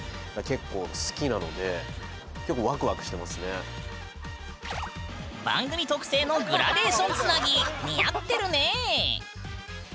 僕結構番組特製のグラデーションつなぎ似合ってるねえ！